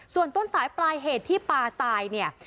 ส่วนต้นสายปลายเหตุที่ปลาตายเนี่ย